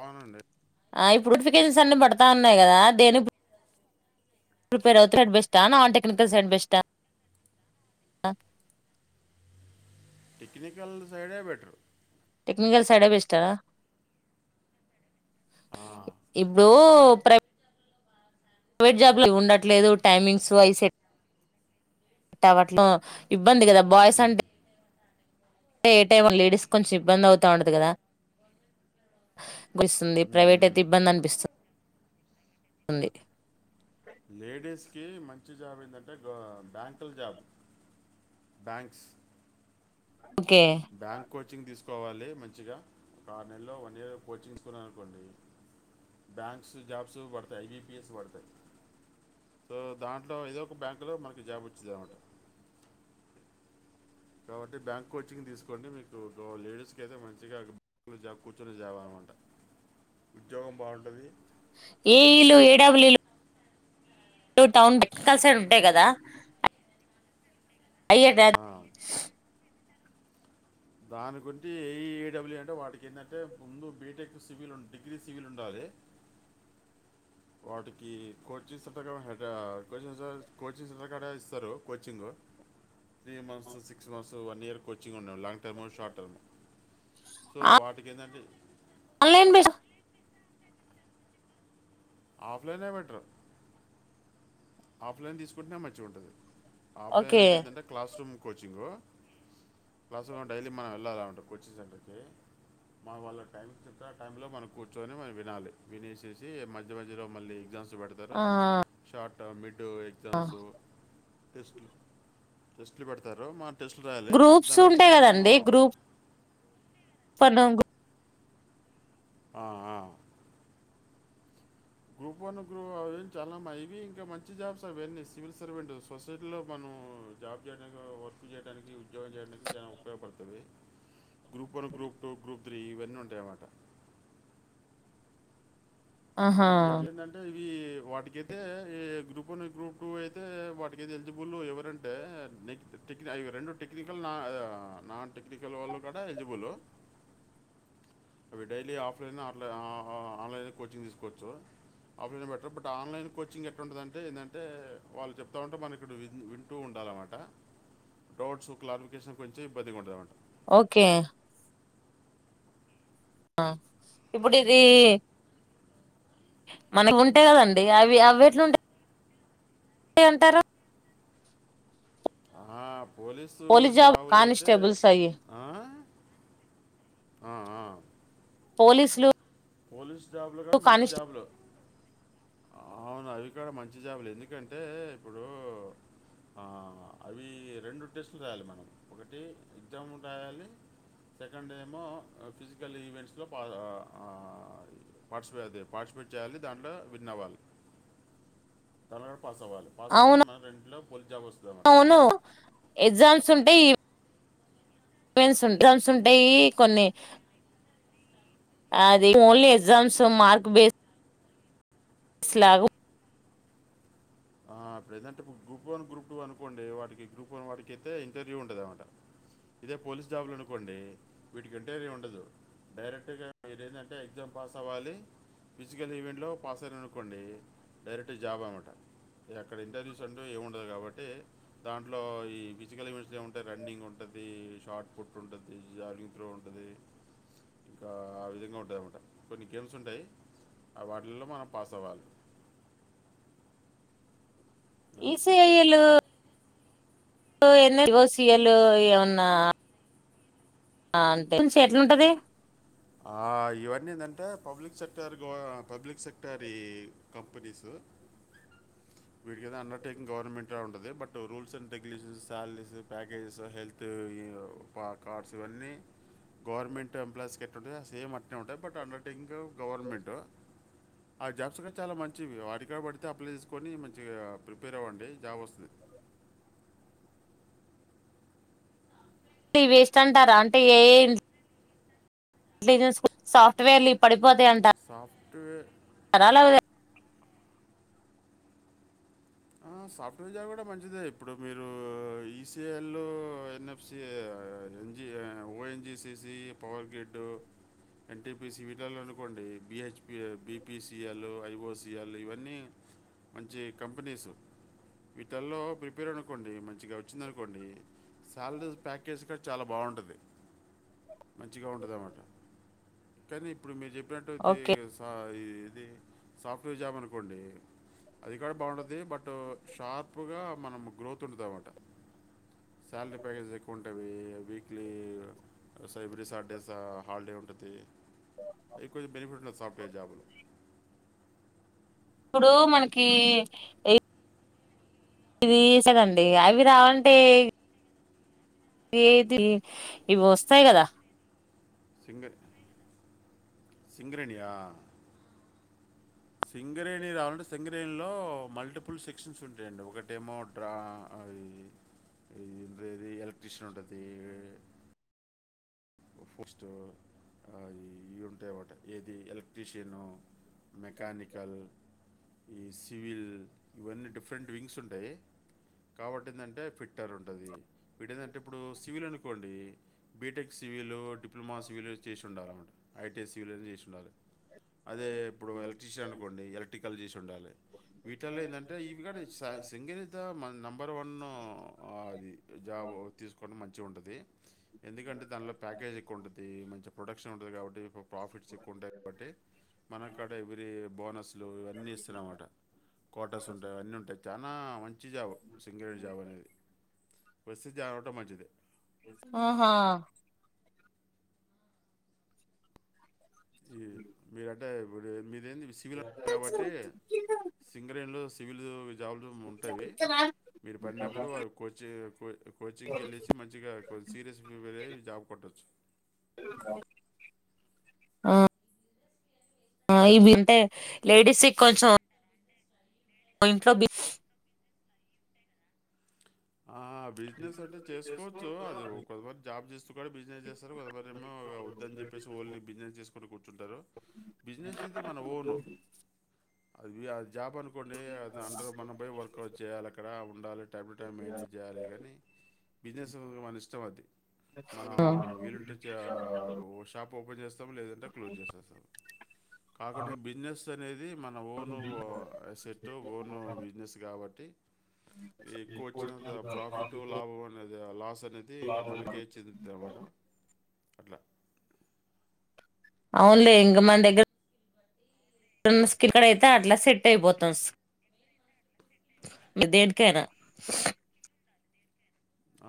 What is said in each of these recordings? అవునండి ఆ ఇప్పుడు నోటిఫికేషన్స్ అన్ని పడతా ఉన్నాయి గదా దేనిక్ ప్రిపేరవుతే బెస్టా, నాన్ టెక్నికల్ సైడ్ బెస్టా? ఆ టెక్నికల్ సైడే బెటరు క్నికల్ సైడే బెస్టా, ఇప్పుడూ ఉప్ర ప్రైవేట్ జాబ్లు ఉండట్లేదు టైమింగ్స్ ఐ సెట్ టవట్ల ఇబ్బంది గదా బాయ్స్ అంటే టే ఏ టైమో లేడీస్ కొంచెం ఇబ్బంది అవుతా ఉంటది గదా పిస్తుంది ప్రైవేట్ అయితే ఇబ్బందనిపిస్తుం ది లేడీస్కి మంచి జాబ్ ఎందంటే గా బ్యాంకుల job banks okay bank coaching దీసుకోవాలి మంచిగా ఒక ఆరు నెల్లో, వన్ ఇయర్ కోచింగ్ తీస్కున్నరనుకోండి. బ్యాంక్స్ జాబ్స్ పడతయ్ ఐ బి పీ ఎస్ పడతయి సో దాంట్లో ఏదో ఒక బ్యాంకు లో మనకి జాబ్ వచ్చిదన్నమాట కాబట్టి బ్యాంక్ కోచింగ్ తీసుకోండి మీకు గో లేడీస్ కి అదే మంచిగా జాబ్ కూర్చొని జాబ్ అన్మాట ఉద్యోగం బావుంటది ఈ లు ఏ డబ్లీ లు లు టౌన్ గట్కాల్ సైడ్ ఉంటయి గదా అయ్య గద్ దాని గుంటి ఏ ఈ డబ్ల్యూ అంటే వాటికేందంటే ముందు బీటెక్ సివిల్ వున్ డిగ్రీ సివిలుండాలి. వాటికి కోచింగ్స్ ఉంటయ్ గా హైద్రా కోచింగ్ కోచింగ్స్ ఉన్నకాడ ఇస్తరు coaching. Three months six months one year coaching ఉన్నయ్ long term short term so వాటికేందంటే ఆన్లైన్ బెస్ ఆఫ్లైనే బెటరు ఆఫ్లైన్ దీసుకుంటెనే మంచిగుంటది, ఆఫ్లైన్ ఓకే అంటే ఏందంటే class room coaching class daily మనం ఎళ్ళాలన్నట్టు కోచింగ్ సెంటర్కి. మన వాళ్ళ టైం చెప్తే ఆ టైమ్ లో మనం కూర్చొని మనం వినాలి, వినేసేసి మధ్య మధ్యలో మళ్ళీ ఎగ్జామ్స్ చ్చోబెడతరు, ఆ షార్ట్ మిడ్ ఎక్సామ్సు టెస్ట్లు టెస్ట్లు పెడతారు మా టెస్ట్లు రాయాలి, గ్రూప్స్ దాన్ని బట్టి ఉంటాయి మనము [unintelligible] గు ఆ ఆ గ్రూప్ వన్ గ్రూ అవీ చాలా మ ఇవి ఇంకా మంచి జాబ్స్ అవన్నీ సివిల్ సర్వెంట్ సొసైటీలో మనం మూ జాబ్ జేయడానికి వర్క్ జేయడానికి ఉద్యోగం జేయడానికి చాలా ఉపయోగపడుతది group one group two group three ఇవన్నీ ఉంటాయన్నమాట ఆహా ఇవి ఎట్లేందంటే ఇవి వాటికైతే గ్రూప్ వన్ గ్రూప్ టూ అయితే వాటికైతే ఎలిజిబుల్ ఎవరంటే నెస్ట్ టెక్ ఇవి రెండు టెక్నికల్ నా నాన్ టెక్నికల్ వాళ్ళు కూడాదా ఎలిజిబుల్ అవి డైలీ ఆఫ్లైన్ ఆలైన్ ఆన్లైన్ కోచింగ్ తీసుకోవచ్చు offline better but online coaching ఎట్లాంటుదంటే ఏంటే వాళ్ళు చెప్తా ఉంటే మనం ఇక్కడ వింటూ ఉండాలి న్నమాట డౌట్స్ క్లారిఫికేషన్ కొంచెం ఇబ్బందిగా ఉండదన్నమాట ఓకే ఆ ఇప్పుడుది మనకు ఉంటేయి కదండి అవి అవి ఎట్లు ఉంటేయి అ అంటారు ఆ పోలీసు పోలీస్ జాబ్ జాబలు అయితే కానిస్టేబుల్స్ అయ్యి ఆ ఆ ఆ పోలీసులు పోలీసు జాబులు కానీ మంచి కానిస్టే జాబులు అవి కూడా మంచి జాబులు ఎందుకంటే ఇప్పుడు అవి రెండు టెస్టులు రాయాలి మనం ఒకటి ఎగ్జామ్ రాయాలి సెకండ్ ఏమో ఫిజికల్ ఈవెంట్స్ లో పార్టిపేట్టి యాలి దాంట్లో విన్నవ్వాలి పాస్ అవ్వాలి పాస్ అవుతే అవును మన ర ఇంట్లో పోలీస్ జాబ వస్తుందన్నమాట అవును స్ డ్రమ్స్ ఉంటాయి కొన్ని అది ఓన్లీ ఎక్జామ్స్ మార్క్ బేస్ లాగా ప్రజెంట్ ఇప్పుడు గ్రూప్ వన్ గ్రూప్ టూ అనుకోండి వాటికి గ్రూప్ వన్ వాటికి అయితే ఇంటర్వ్యూ ఉంటుదన్నమాట ఇదే పోలీస్ జాబులు అనుకోండి వీటికింటేనే ఉండదు డైరెక్ట్గా మీరు ఏంటంటే ఎగ్జామ్ పాస్ అవ్వాలి ఫిజికల్ ఈవెంట్లో పాస్ అయిన అనుకోండి డైరెక్ట్ జాబ్ అనమాట అక్కడ ఇంటర్వ్యూస్ అంటూ ఏము ఉండదు కాబట్టి దాంట్లో ఈ ఫిజికల్ ఇమెంట్స్ ఏమిముంటాయి రన్నింగ్ ఉంటుంది అ షార్ట్పుట్ ఉంటుంది జాలంగ్ త్రో ఉంటుంది ఇంకా ఆ విధంగా ఉంటదనమాట కొన్ని గేమ్స్ ఉంటాయి ఆ వాటిల్లో మనం పాస్ అవ్వాలి అ అది. ఈసి ఏ ల్ సి అల్ ఏమన్నా [inaudible] అంతే నుంచి ఎట్లుంటది ఇవన్నీ ఏంటంటే పబ్లిక్ సెక్టర్ గ పబ్లిక్ సెక్టార్ కంపెనీసు వీటికిదతే అండర్ టేకింగ్ గవర్నమెంట్ ఉంటది but rules and regulations salaries packages health cards ఇవన్నీ గవర్నమెంట్ ఎంప్లాయస్ క అట్ంటే సేమ్ అట్నే ఉంటాయి బట్ అండర్ టెకింగ్ గవర్నమెంటు ఆ జాబ్స్ కనీ చాలా మంచివి వాటికాడ పడితే అప్ల కొని మంచిగా ప్రిపేర్ అవ్వండి జాబ్ వస్తుంది వేస్ట్ అంటారా అంటే ఏజెన్ సాఫ్ట్వేర్లు పడిపో పోతే సాఫ్ట్వేర్ అంటరా సాఫ్ట్వేర్ జాబ్ కూడా మంచిదే ఇప్పుడు మీరు ఈసఎల్ ఎన్ఎఫ్సి ఎన్జీ ఓఎన్జిససి పవర్ గ్రిడ్ ఎన్టీపి సివిలలో అనుకోండి బిహెచ్ బీపీసిఎలు ఐఓసిఎల్ ఇవన్నీ మంచి కంపెనీస్ [unintelligible] వీటిల్లో ప్రిపేర్ అనుకోండి మంచిగా వచ్చిందనుకోండి సాలరీస్ ప్యాకేజ్ కూడా చాలా బాగుంటుంది మంచి గా ఉన్నట కానీ ఇప్పుడు మీ చె ఓకే [unintelligible] ది సాఫ్ట్వేర్ జాబ్ అనుకోండి అది కూడా బాగుంటది బట్ బట్ షార్పుగా మనం గ్రోత్ ఉంటుంది అన్నమాట శాలరీ ప్యాకేజ్ ఎక్కువ ఉంటావి వీక్లీ స ఎబ్రీ సాటర్డేస్ హాలిడే ఉ ఉంటుంది అవి కొంచెం బెనిఫిట్ ఉన్నది సాఫ్ట్వేర్ జాబ్లో ఇప్పుడు మనకి ఇదిసడండి అవి రావంటే ఇవి వస్తాయి కదా సింగ సింగరేణి యా సింగరేణి రావాలంటే సింగరేణిలో మల్టిపుల్ సెక్షన్స్ ఉంటాయండి ఒకటేమో డ్రా [unintelligible] ఇది ఎలక్ట్రిీషన్ ఉంటది ఫస్ట్ంటా వాట ఏది ఎలక్ట్రీషియను మెకనికల్ ఈ సివిల్ ఇవన్నీ డిఫరెంట్ వింగ్స్ ఉంటాయి కాబట్ ఏంటంటే ఫిట్టర్ ఉంటది ఇట ఏంటంటే ఇప్పుడు సివిల్ అనుకోండి బీటెక్ సివీలో డిప్లొమా స సివీలో చేసి ఉండాలన్నమాట ఐటీఎస్ సివీలుని చేసి ఉండాలి అదే ఇప్పుడు ఎలక్ట్ర్షియన్ అనుకోండి ఎలక్ట్రికల్ చేసి ఉండాలి వీటిల్లో ఏంటంటే ఇవి సింగరేణి త నెంబర్ వన్ అది జాబ్ తీసుకోవడం మంచిగా ఉంటుంది ఎందుకంటే దానిలో ప్యాకేజ్ ఎక్కువ ఉంటుంది మంచి ప్రొడక్షన్ ఉంటుంది కాబట్టి ప్రాఫిట్స్ ఎక్కువ ఉంటాయి కాబట్టి మనకు అడ ఇవరి బోనస్లు ఇవన్నీ ఇస్తారన్నమాట కోటర్స్ ఉంటాయి అన్నీ ఉంటాయి చాలా మంచి జాబ్ సింగరేణి జాబ్ అనేది బెస్ట్ జాబ్ అంటే ఆహా [unintelligible] అంటే ఇ మీద సిల్ కాబట్టి సింగరేణి లో సివిల్ జాబులు ఉంటాయి మీరు పడినప్పుడువి కోచింగ్ కో కోచింగ్కి వెళ్ళిసి మంచిగా కొ సీరియస్ ప్రిపేర్ అయి జాబ్ కొట్టవచ్చు ఆ ఇవి అంటే లేడీస్ కొంచెం మ ఇంట్లి బెఫ్ ఆ బిజినెస్ అంటే చేసుకోవచ్చు అది కొంతమర జాబ్ చేస్త కూడా బిజినెస్ చేస్తారు కొంతదిమర ఏమో వద్దని చెప్పేసి ఓన్లీ బిజినెస్ చేసుకొని కూర్చుంటారు బిజినెస్ ఇతే మన ఓన్ [unintelligible] అది జాబ్ అనుకోండి అ అండరు మనం పో వర్కౌట్ చేయాలి అక్కడ ఉండాలి టాబ్లెట్ మేనేజ్యారే కాని బిజినెస్ మన ఇష్టం అది మనం వీలుంటే షాప్ ఓపెన్ చేస్తాము లేదంటే క్లోజ్ చేసేస్తాము కాకుండా బిజినెస్ అనేది ఇది మన ఓను సెట్ ఓన్ బిజినెస్ కాబట్టి ఈ వచ్చిన ప్రాఫిట్ లాభం అనేది లాస్ అనేది ఇంక మనకే చెందింది అనమాట [unintelligible] అట్లా అవునులే ఇంగ మన దగ్గర ఫెన్స్కి ఇక్కడైతే అట్లా సెట్ అయిపోతుం మ దేనికైనా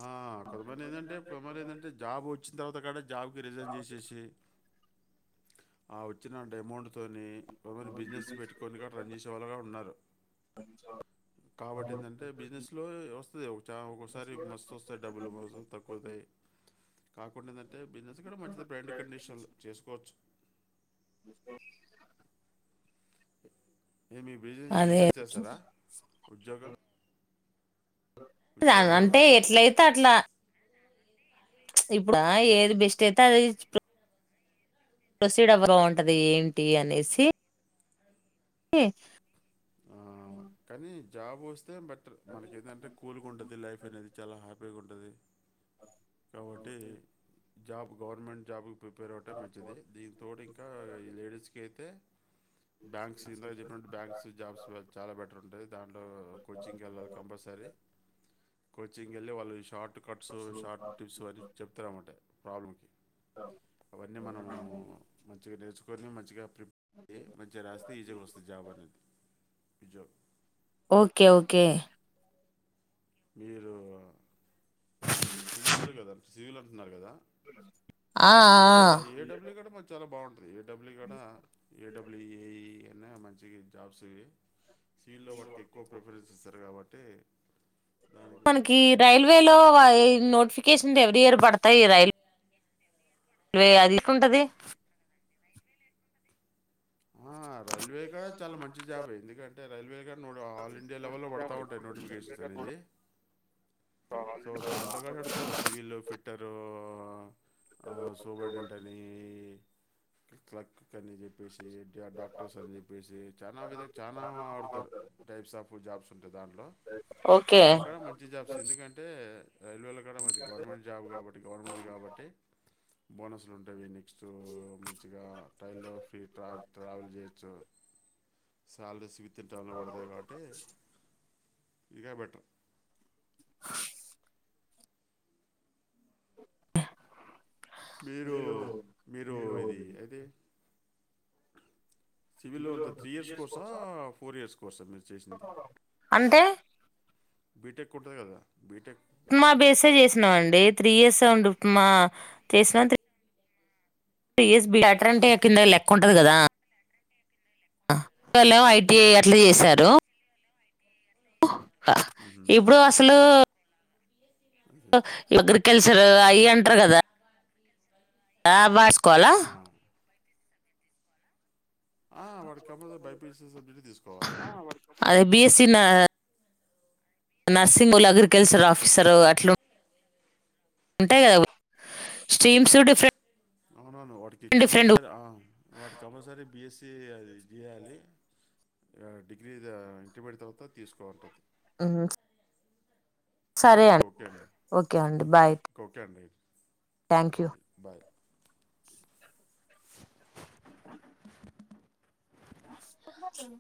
ఆ కొద్ంతమంది ఏంటంటే కొంతమంది ఏంటంటే జాబ్ వచ్చిన తర్వాత కాడ జాబ్కి రిజైన్ చేసేసి ఆ వచ్చిన అమౌంట్తోని కొమరు బిజినెస్ పెట్టుకొనిగా రన్ చేసేవాళ్ళుగా ఉన్నారు కాబట్టి ఏందంటే బిజినెస్ లో వస్తుంది ఒక చ ఒక్కోసారి వస్తా వస్తాయి డబ్బులు మాత్రం తక్కువ అవుతాయి కాకుండా ఏంటంటే బిజినెస్ కూడా మంచిది బ్రాండ్ కండిషన్లు చేసుకోవచ్చు చేసుకోవచ్చు ఏమి బిజినెస్ అదే బిజినెస్ చేస్తారా ఉద్యోగం ఉద్యోగంలాగా. అంటే ఎట్లయితే అట్లా ఇప్పుడా ఏది బెస్ట్ అయితే అది ప్రొసీడ్ ఎవ్వరు బావుంటది ఏంటి అనేసి ఏ ఆ కానీ జాబ్ వస్త అంతేం బెటర్ మనక ఏంటంటే కూల్గా ఉంటుంది లైఫ్ అనేది చాలా హ్యాపీగా ఉంటుంది కాబట్టి జాబ్ గవర్నమెంట్ జాబ్ ప్రిపేర్ అవ్వటం మంచిది దీనితోడు ఇంకా లేడీస్కి అయితే అ బ్యాంక్స్ ఇందక చెప్పినట్టు బ్యాంక్స్ జాబ్స్ చాలా బెటర్ ఉంటుంది దాంట్లో కోచింగ్కి వెళ్ళాలి కంపల్సరీ కోచింగ్ వెళ్ళి వాళ్ళు షార్ట్ కట్స్ షార్ట్ టిప్స్ అన్నీ చెప్తారమటే ప్రాబ్లం అవన్నీ మనము మంచిగా నేర్చుకొని కొని మంచిగా ప్రిపేర్ అయ్యి మంచిగా రాస్తే ఈజీ గా వస్తుంది జాబ్ అనేది ఉద్యోగ ఓకే ఓకే మీరు ఇది సివిల్ కదా సివిల్ అంటున్నారు కదా ఆ ఆ ఏడబ్ ఏడబ్ల్యూ కూడా మ చాలా బాగుంటది ఏడబ్ల్యూ గడ ఏడబ్ల్యూఏ మంచి జాబ్స్ ఇవి సీల్డ్లో వాటికి ఎక్కువ ప్రిఫరెన్స్ ఇస్తారు కాబట్టి దానికి మనకి రైల్వేలో నోటిఫికేషన్ ఎవరి ఇయర్ పడతాయి రైల్ వే అది తీసుకుంటది ఆ రైల్వే కూడా చాలా మంచి జాబ్ ఎందుకంటే రైల్వేగా ఆల్ ఇండియా లెవెల్ లో పడుతా ఉంటాయి నోటిఫికేషన్స్ అనేది సో దాంట్లో కూడా అడుతారు సివిల్ ఫిట్టరు ఆ సోబడంటలి క్లక్ చెప్పేసి డాక్టర్స్ అని చెప్పేసి చాల విధ చానా ఆడతారు టైప్స్ ఆఫ్ జాబ్స్ ఉంటాయి దాంట్లో ఓకే అవిక్కడ మంచి జాబ్స్ ఎందుకంటే రైల్వేలు కూడా మది గవర్నమెంట్ జాబ్ కాబట్టి గవర్నమెంట్ది కాబట్టి బోనసులు ఉంటాయి వీకి మంచిగా ట్రైన్లో ఫీ ట్రావెల్ చేయొచ్చు సాలరీస్ విత్ టైంలో పడతాయి కాబట్టి ఇక బెటర్ మీరు మీరు సివిల్ లో అంట త్రీ ఇయర్స్ కోర్స్ అహ ఫోర్ ఇయర్స్ కో కోర్స్ అహ మీరు చేసింది అంటే బీటెక్ కొట్టంది కదా బీటెక్ ఉప్మా బేస్సే చేసినాండి త్రీ ఇయర్స్ సౌండ్ ఉప్మా చేసినా త్రి త్రీయస్ బ్యాటర్ అంటే కింద లెక్క ఉంటంది కదా ఆ వెళ్ళం ఐటిఐ మ్మ్. అట్లా చేశారు మ్మ్. ఇప్పుడు అసలు అదే అగ్రికల్చర్ అయి అంటారు కదా అహ వాట్స్కోలా ఆ. ఆ, వాడికి కంపల్సరీ బైపీసీ సబ్జెక్ట్ తీసుకోవాలి అదే బిఎస్స నా నర్సింగ్ హోు అగ్రికల్చర్ ఆఫీసర్ అట్లు ఉంటాయి కదా స్ట్రీమ్స్ డిఫరెంట్ అవునవును వాటికి డిఫరెంట్ కంపల్సరీ ఆ వాటికి కంపల్సరీ బిఎస్సి అది జెయాలి డిగ్రీ ఇంటర్మీడియట్ తర్వాత తీసుకో అంటుంది ఆ సరే ఓకే అండి ఓకే ఓకే అండి బాయ్ ఓకే ఓకే అండి thank you bye good morning